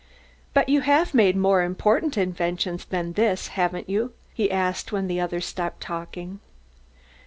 "But you have made more important inventions than this, haven't you?" he asked when the other stopped talking.